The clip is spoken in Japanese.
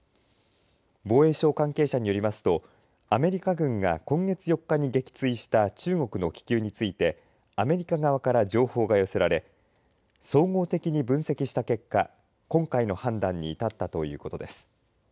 防衛省関係者によりますとアメリカ軍が今月４日に撃墜した中国の気球についてアメリカ側から情報が寄せられ総合的に分析した結果今回の判断に至ったということです。